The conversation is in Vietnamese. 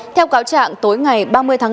theo cáo trạng tối ngày ba mươi tháng năm